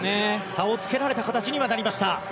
差をつけられた形にはなりました。